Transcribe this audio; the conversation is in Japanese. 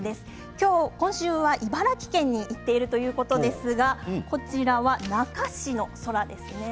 今週は茨城県に行っているということですがこちらは那珂市の空ですね。